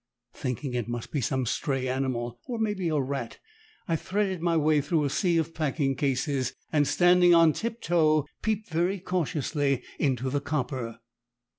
Thinking it must be some stray animal, or, may be, a rat, I threaded my way through a sea of packing cases, and standing on tip toe, peeped very cautiously into the copper.